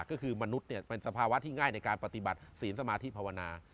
ก็คือมนุษย์เป็นสภาวะที่ง่ายในการปฏิบัติศีลสมาธิภาวนา